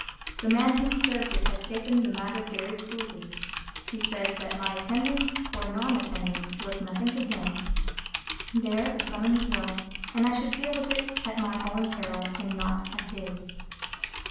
The man who served it had taken the matter very coolly. He had said that my attendance or non attendance was nothing to him; there the summons was; and I should deal with it at my own peril, and not at his.